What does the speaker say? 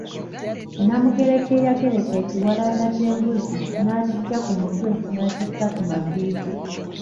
Namugereka eyagereka ekiwalaata ky'embuzi nakiggya ku mutwe nakissa ku maviivi.